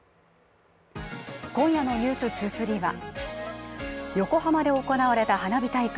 今夜の「ｎｅｗｓ２３」は横浜で行われた花火大会。